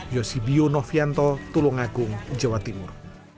yosibio novianto tulungagung jawa timur